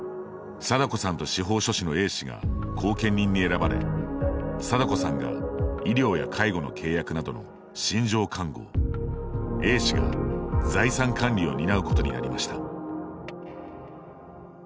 貞子さんと司法書士のＡ氏が後見人に選ばれ貞子さんが医療や介護の契約などの身上監護をＡ氏が財産管理を担うことになりました。